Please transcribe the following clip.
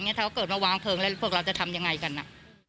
ถ้าเกิดว่าวางเพลิงแล้วพวกเราจะทำยังไงกันน่ะ